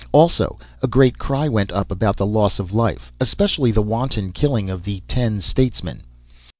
Also, a great cry went up about the loss of life, especially the wanton killing of the ten "statesmen."